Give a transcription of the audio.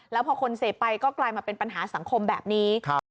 แล้วพอคนเสพไปก็กลายมาเป็นปัญหาสังคมแบบนี้